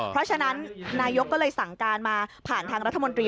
เพราะฉะนั้นนายกก็เลยสั่งการมาผ่านทางรัฐมนตรี